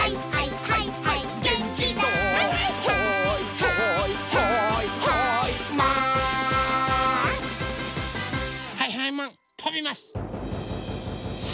はいはいマンとびます！